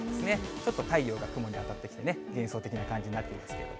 ちょっと太陽が雲に当たって幻想的な感じになっていますけれども。